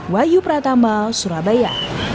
wayu pratama surabaya